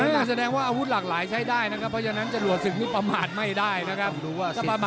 เมื่อการแสดงอาวุธหลากหลายใช้ได้นะจริงจะหลวดสุกลูกปราบนี้ไม่ได้นะครับ